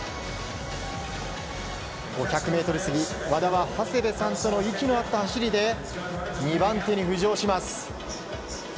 ５００ｍ過ぎ和田は長谷部さんとの息の合った走りで２番手に浮上します。